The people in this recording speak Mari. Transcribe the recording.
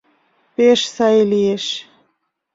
— Пеш сай лиеш.